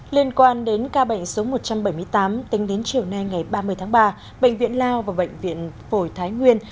liên quan đến ca bệnh số một trăm bảy mươi tám tính đến chiều nay ngày ba mươi tháng ba bệnh viện lao và bệnh viện phổi thái nguyên